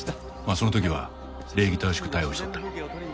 その時は礼儀正しく対応しとった。